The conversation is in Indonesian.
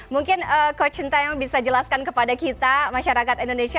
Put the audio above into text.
mungkin coach sintayong bisa jelaskan kepada kita masyarakat indonesia